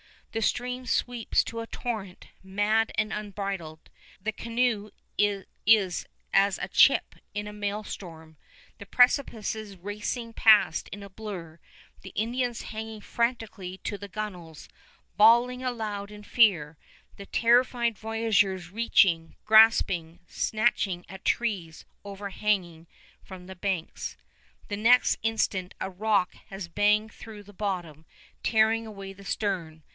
The stream sweeps to a torrent, mad and unbridled. The canoe is as a chip in a maelstrom, the precipices racing past in a blur, the Indians hanging frantically to the gunnels, bawling aloud in fear, the terrified voyageurs reaching, ... grasping, ... snatching at trees overhanging from the banks. The next instant a rock has banged through bottom, tearing away the stern.